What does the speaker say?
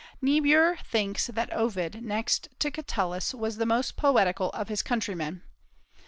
Niebuhr thinks that Ovid next to Catullus was the most poetical of his countrymen.